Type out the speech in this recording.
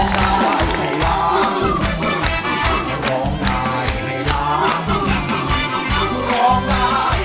รองได้ให้